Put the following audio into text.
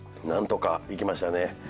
何とかいきましたね。